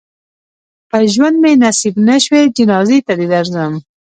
په ژوند مې نصیب نه شوې جنازې ته دې درځم.